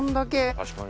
確かに。